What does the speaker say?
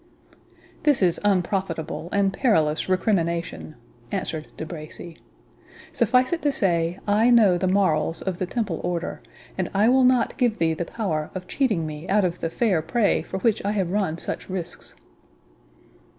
"This is unprofitable and perilous recrimination," answered De Bracy; "suffice it to say, I know the morals of the Temple Order, and I will not give thee the power of cheating me out of the fair prey for which I have run such risks."